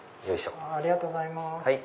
ありがとうございます。